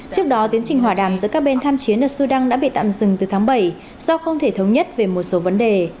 trước đó tiến trình hòa đàm giữa các bên tham chiến ở sudan đã bị tạm dừng từ tháng bảy do không thể thống nhất về một số vấn đề